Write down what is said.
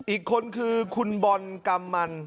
อีกคนคือคุณบอลกำมัน